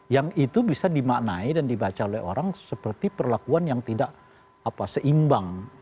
yang itu bisa dimaknai dan dibaca oleh orang seperti perlakuan yang tidak seimbang